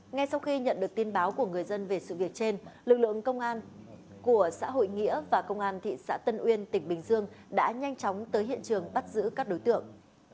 ngay sau khi nhận được tin báo của người dân về sự việc trên lực lượng công an của xã hội nghĩa và công an thị xã tân uyên tỉnh bình dương đã nhanh chóng tới hiện trường bắt giữ các đối tượng